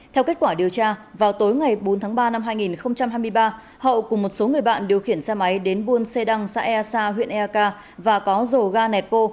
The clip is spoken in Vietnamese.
theo kết quả điều tra vào tối ngày bốn tháng ba năm hai nghìn hai mươi ba hậu cùng một số người bạn điều khiển xe máy đến buôn xê đăng xã e a sa huyện e a ca và có dồ ga nẹt bô